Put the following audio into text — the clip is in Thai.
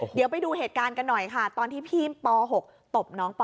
เดี๋ยวไปดูเหตุการณ์กันหน่อยค่ะตอนที่พี่ป๖ตบน้องป